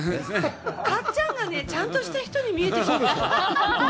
かっちゃんがちゃんとした人に見えてきた。